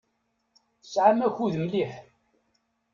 Tesɛam akud mliḥ.